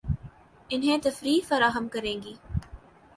انھیں تفریح فراہم کریں گی